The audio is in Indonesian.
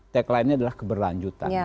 tagline nya adalah keberlanjutan